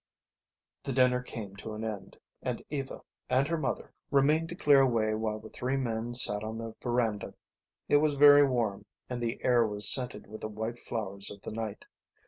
Then dinner came to an end, and Eva and her mother remained to clear away while the three men sat on the verandah. It was very warm and the air was scented with the white flowers of the night.